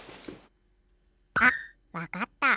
あっわかった。